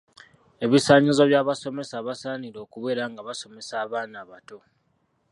Ebisaanyizo by’abasomesa abasaanira okubeera nga basomesa abaana abato.